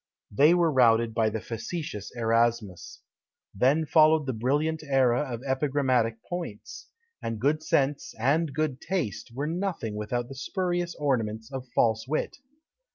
They were routed by the facetious Erasmus. Then followed the brilliant ÃḊra of epigrammatic points; and good sense, and good taste, were nothing without the spurious ornaments of false wit.